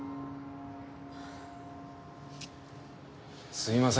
すいません。